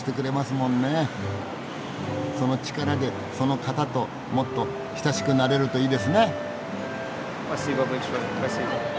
その力でその方ともっと親しくなれるといいですね。